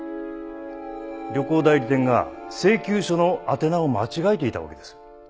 旅行代理店が請求書の宛名を間違えていたわけです。